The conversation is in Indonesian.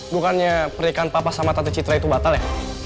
bukannya pernikahan papa sama tante citra itu batal ya